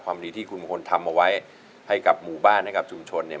ดีที่คุณมงคลทำเอาไว้ให้กับหมู่บ้านให้กับชุมชนเนี่ย